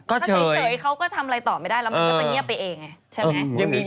ถ้าเฉยเขาก็ทำอะไรต่อไม่ได้แล้วมันก็จะเงียบไปเองไงใช่ไหม